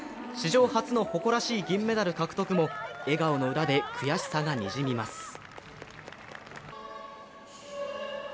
史上初の誇らしい銀メダル獲得も笑顔の裏で悔しさがにじみます。